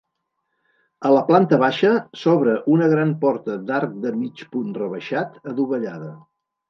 A la planta baixa s'obre una gran porta d'arc de mig punt rebaixat adovellada.